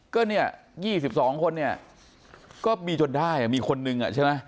ก็เนี่ย๒๒คนเนี่ยก็มีจนได้มีคนนึงใช่ไหม